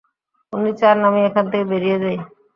উনি চান আমি এখান থেকে বেরিয়ে যাই?